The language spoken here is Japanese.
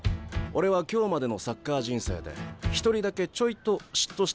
俺は今日までのサッカー人生で一人だけちょいと嫉妬したやつがいるナリ。